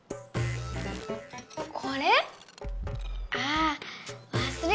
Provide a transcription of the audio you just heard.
これ？